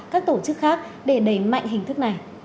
các tổ chức khác để đẩy mạnh hình thức này